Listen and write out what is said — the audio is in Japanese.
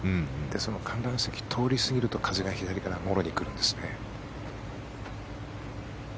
その観覧席を通り過ぎると風が左からもろに来るんですね。